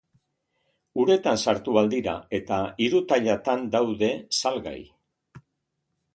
Uretan sartu ahal dira eta hiru tailatan daude salgai.